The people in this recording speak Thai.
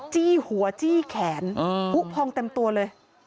จี้หัวจี้แขนผู้พองเต็มตัวเลย